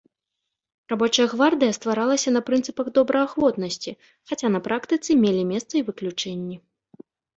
Рабочая гвардыя стваралася на прынцыпах добраахвотнасці, хаця на практыцы мелі месца і выключэнні.